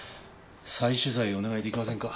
再取材をお願い出来ませんか？